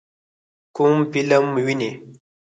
کوم فلم وینئ؟